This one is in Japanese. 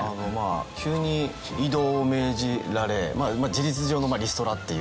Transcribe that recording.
急に異動を命じられ事実上のリストラっていう。